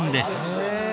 へえ！